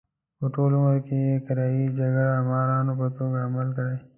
په ټول عمر کې یې کرایي جګړه مارانو په توګه عمل کړی.